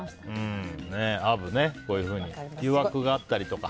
アブ、こういうふうに誘惑があったりとか。